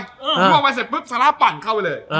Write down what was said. ล่วงไปเสร็จปุ๊บซาร่าปั่นเข้าไปเลย